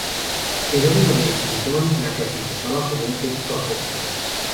Jerónimo de Estridón la clasificaba como un texto apócrifo.